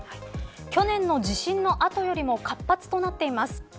去年の地震の後よりも活発となっています。